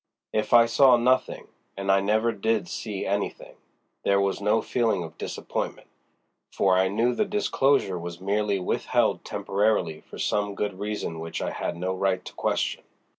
If I saw nothing—and I never did see anything—there was no feeling of disappointment, for I knew the disclosure was merely withheld temporarily for some good reason which I had no right to question.